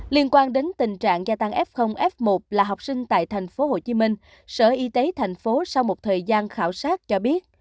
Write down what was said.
liên quan đến tình trạng gia tăng f f một là học sinh tại tp hcm sở y tế thành phố sau một thời gian khảo sát cho biết